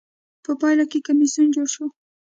په پایله کې کمېسیون جوړ شو.